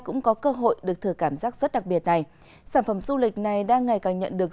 cũng có cơ hội được thử cảm giác rất đặc biệt này sản phẩm du lịch này đang ngày càng nhận được